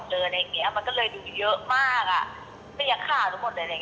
ขึ้นไปเขาก็เอาเบียร์ศาสตร์หนูครั้งแรก